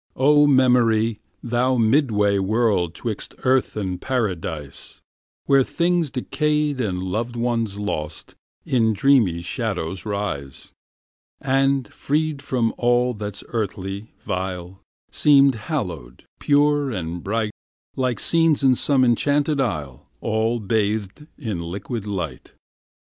O memory! thou midway world 'Twixt earth and paradise, Where things decayed and loved ones lost In dreamy shadows rise, And, freed from all that's earthly, vile, Seem hallowed, pure and bright, Like scenes in some enchanted isle All bathed in liquid light.